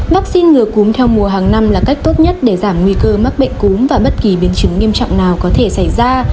vaccine ngừa cúm theo mùa hàng năm là cách tốt nhất để giảm nguy cơ mắc bệnh cúm và bất kỳ biến chứng nghiêm trọng nào có thể xảy ra